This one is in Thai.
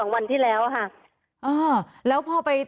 วันที่แล้วค่ะแล้วพอไป